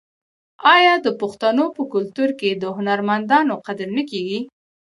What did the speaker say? آیا د پښتنو په کلتور کې د هنرمندانو قدر نه کیږي؟